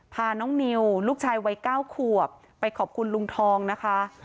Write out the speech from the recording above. พาน้องนิวลูกชายวัย๙ขวบไปขอบคุณลุงทองนะคะ